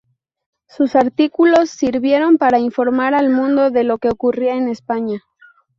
Sus artículos sirvieron para informar al mundo de lo que ocurría en España.